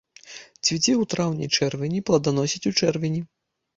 Цвіце ў траўні-чэрвені, пладаносіць у чэрвені.